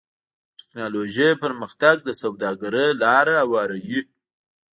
د ټکنالوجۍ پرمختګ د سوداګرۍ لاره هواروي.